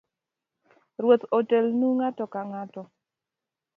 Ruoth otelnu ng’ato kang’ato